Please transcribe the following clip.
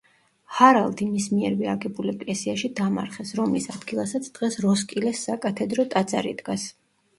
ჰარალდი მის მიერვე აგებულ ეკლესიაში დამარხეს, რომლის ადგილასაც დღეს როსკილეს საკათედრო ტაძარი დგას.